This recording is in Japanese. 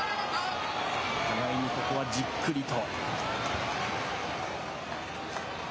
互いにここはじっくりと。